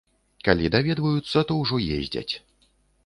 Калі даведваюцца, то ўжо ездзяць.